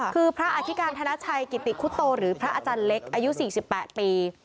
คือพระอธิการธนชัยกิติคุโตหรือพระอาจารย์เล็กอายุ๔๘ปี